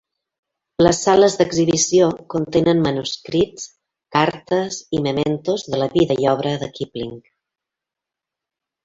Les sales d'exhibició contenen manuscrits, cartes i mementos de la vida i obra de Kipling.